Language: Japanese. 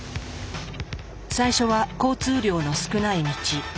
最初は交通量の少ない道。